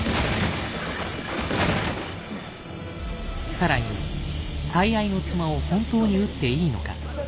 更に「最愛の妻を本当に撃っていいのか」。